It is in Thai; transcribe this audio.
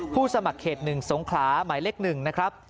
ผู้สมัครเขตหนึ่งสงขลาหมายเลขหนึ่งนะครับ